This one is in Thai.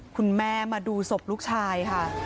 คุณแม่มาดูศพลูกชายค่ะ